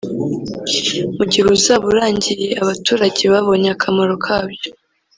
Mu gihe uzaba urangiye abaturage babonye akamaro kabyo